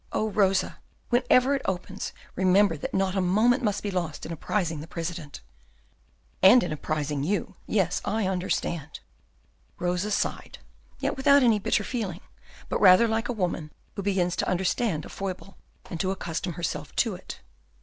"Oh, Rosa, whenever it opens, remember that not a moment must be lost in apprising the President." "And in apprising you. Yes, I understand." Rosa sighed, yet without any bitter feeling, but rather like a woman who begins to understand a foible, and to accustom herself to it.